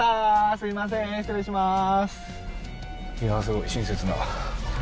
すいません失礼しまーす